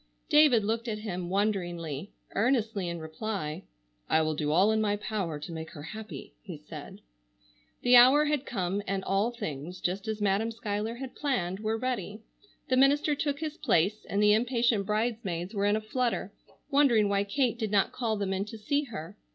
David looked at him wonderingly, earnestly, in reply: "I will do all in my power to make her happy," he said. The hour had come, and all things, just as Madam Schuyler had planned, were ready. The minister took his place, and the impatient bridesmaids were in a flutter, wondering why Kate did not call them in to see her.